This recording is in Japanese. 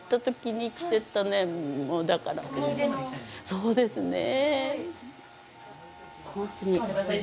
そうですね。